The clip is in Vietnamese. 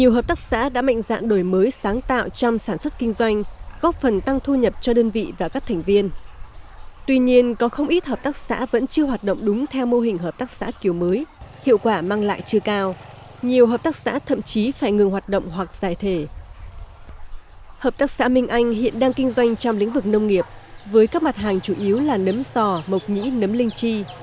hợp tác xã minh anh hiện đang kinh doanh trong lĩnh vực nông nghiệp với các mặt hàng chủ yếu là nấm sò mộc nhĩ nấm linh chi